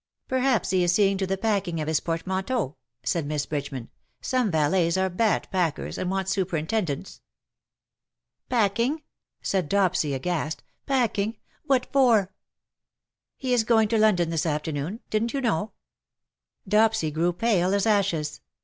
Perhaps he is seeing to the packing of his port manteau,^* said Miss Bridgeman. " Some valets are bad packers, and want superintendence.''' " Packing V cried Dopsy, aghast. " Packing ! What for V " He is going to London this afternoon. Didn^t you know ?" Dopsy grew pale as ashes.